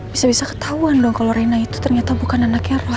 bisa bisa ketahuan dong kalau reina itu ternyata bukan anaknya roy